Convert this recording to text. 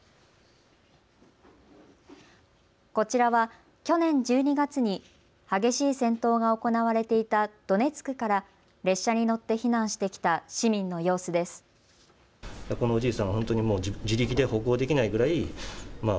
こちらは去年１２月に激しい戦闘が行われていたドネツクから列車に乗って避難してきた市民の様子です。